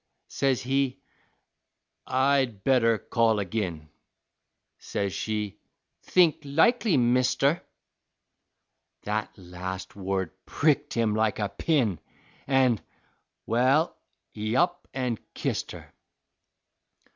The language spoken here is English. Says he, "I'd better call agin;" Says she, "Think likely, Mister:" Thet last word pricked him like a pin, An' Wal, he up an' kist her.